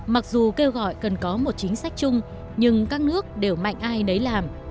mặc dù kêu gọi cần có một chính sách chung nhưng các nước đều mạnh ai nấy làm